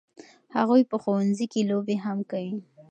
هغوی په ښوونځي کې لوبې هم کوي.